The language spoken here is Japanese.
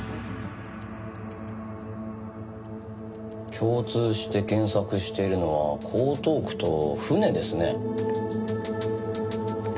共通して検索しているのは「江東区」と「船」ですね。